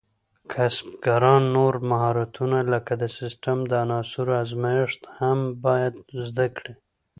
کسبګران نور مهارتونه لکه د سیسټم د عناصرو ازمېښت هم باید زده کړي.